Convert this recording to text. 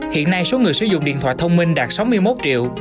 hiện nay số người sử dụng điện thoại thông minh đạt sáu mươi một triệu